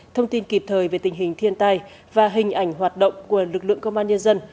thông tin kịp thời về tình hình thiên tai và hình ảnh hoạt động của lực lượng công an nhân dân